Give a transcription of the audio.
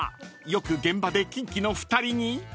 よく現場でキンキの２人に］